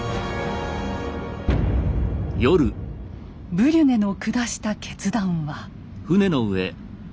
ブリュネの下した決断は。